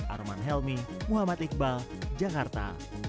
arman helmi muhammad jalil dan siti